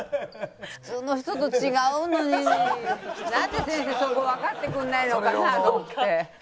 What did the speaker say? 普通の人と違うのになんで先生そこわかってくれないのかなと思って。